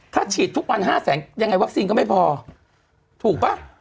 ถ้าฉีดทุกวัน๕แสนยังไงวัคซีนก็ไม่พอถูกป่ะ